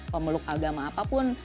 pemeluk agama apapun